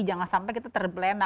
jangan sampai kita terblendak